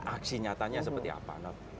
aksi nyatanya seperti apa